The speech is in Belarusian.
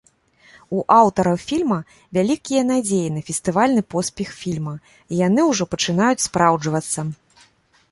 У аўтараў фільма вялікія надзеі на фестывальны поспех фільма, і яны ўжо пачынаюць спраўджвацца.